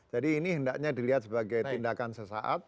jadi ini hendaknya dilihat sebagai tindakan sesaat